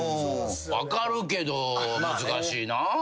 分かるけど難しいなぁ。